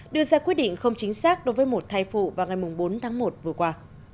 đưa ra quyết định không chính xác đối với một thai phụ vào ngày bốn tháng một vừa qua